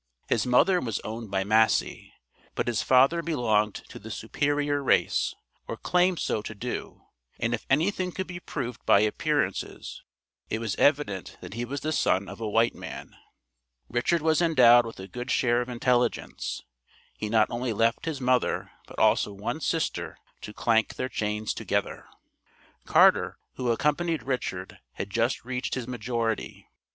His mother was owned by Massey, but his father belonged to the "superior race" or claimed so to do, and if anything could be proved by appearances it was evident that he was the son of a white man. Richard was endowed with a good share of intelligence. He not only left his mother but also one sister to clank their chains together. Carter, who accompanied Richard, had just reached his majority.